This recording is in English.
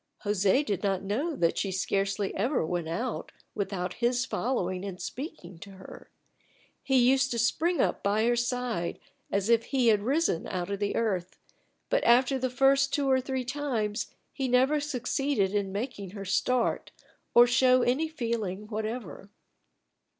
José did not know that she scarcely ever went out without his following and speaking to her. He used to spring up by her side as if he had risen out of the earth, but after the first two or three times he never succeeded in making her start or show any feeling whatever.